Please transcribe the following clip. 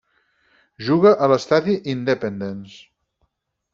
Juga a l'estadi Independence.